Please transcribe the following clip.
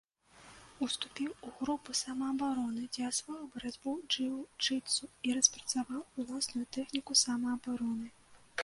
Уступіў у групу самаабароны, дзе асвоіў барацьбу джыу-джытсу і распрацаваў уласную тэхніку самаабароны.